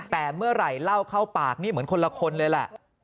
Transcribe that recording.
แต่เมื่อไหร่เล่าเข้าปากนี่เหมือนคนละคนเลยแหละ